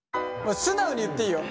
素直に言っていいよ。